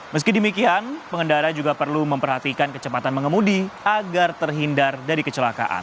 meski demikian pengendara juga perlu memperhatikan kecepatan mengemudi agar terhindar dari kecelakaan